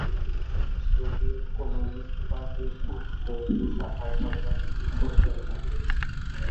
Soviet communist পার্টির Uzbek শাখা সরকার পরিচালনা করেছে।